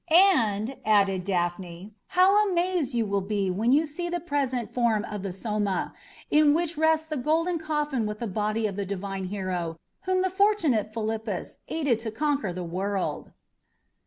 "And," added Daphne, "how amazed you will be when you see the present form of the 'Soma', in which rests the golden coffin with the body of the divine hero whom the fortunate Philippus aided to conquer the world!"